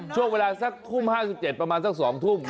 ช่วงเวลาสักทุ่ม๕๗ประมาณสัก๒ทุ่ม